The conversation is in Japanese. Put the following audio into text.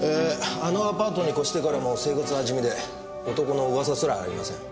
あのアパートに越してからも生活は地味で男の噂すらありません。